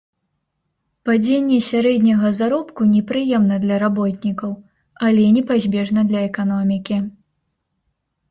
Падзенне сярэдняга заробку непрыемна для работнікаў, але непазбежна для эканомікі.